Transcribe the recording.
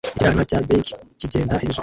Ikibwana cya beige kigenda hejuru